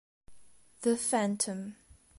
The Phantom